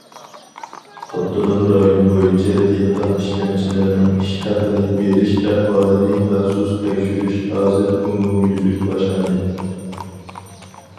ئاپتونوم رايون بويىچە دېھقان ئىشلەمچىلەرنىڭ ئىش ھەققىنى بېرىش ئەھۋالىنى مەخسۇس تەكشۈرۈش ھازىر ئومۇميۈزلۈك باشلاندى.